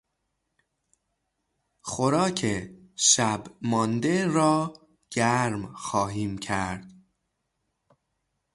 خوراک شب مانده را گرم خواهیم کرد.